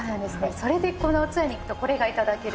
それでこのツアーに行くとこれがいただける。